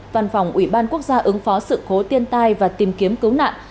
văn phòng ủy ban quốc gia ứng phó sự khố tiên tai và tìm kiếm cứu nạn